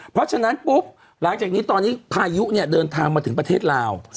เพราะฉะนั้นปุ๊บหลังจากนี้ตอนนี้พายุเนี่ยเดินทางมาถึงประเทศลาว